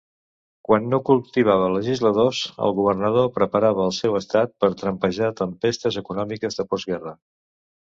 Quan no cultivava legisladors, el governador preparava el seu estat per trampejar tempestes econòmiques de postguerra.